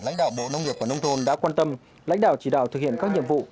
lãnh đạo bộ nông nghiệp và nông thôn đã quan tâm lãnh đạo chỉ đạo thực hiện các nhiệm vụ